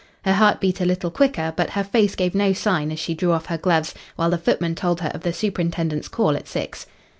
Her heart beat a little quicker, but her face gave no sign as she drew off her gloves while the footman told her of the superintendent's call at six.